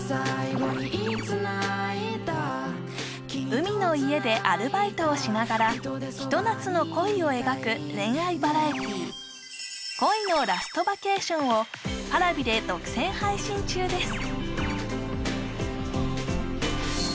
海の家でアルバイトをしながらひと夏の恋を描く恋愛バラエティーをＰａｒａｖｉで独占配信中です